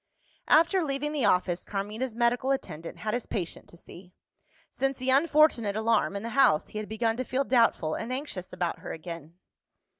After leaving the office, Carmina's medical attendant had his patient to see. Since the unfortunate alarm in the house, he had begun to feel doubtful and anxious about her again.